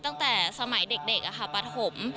ตั้งแต่สมัยเด็กปฐม